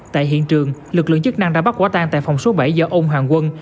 tại hiện trường lực lượng chức năng đã bắt quả tan tại phòng số bảy do ông hoàng quân